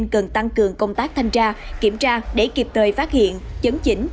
cần tăng cường công tác thanh tra kiểm tra để kịp thời phát hiện chấn chỉnh